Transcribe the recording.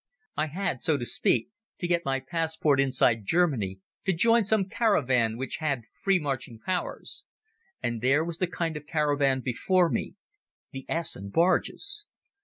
I had, so to speak, to get my passport inside Germany, to join some caravan which had free marching powers. And there was the kind of caravan before me—the Essen barges.